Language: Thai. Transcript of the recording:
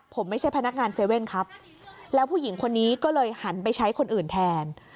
ผมไม่ใช่พนักงาน๗๑๑ครับแล้วผู้หญิงคนนี้ก็เลยหันไปใช้คนอื่นแทน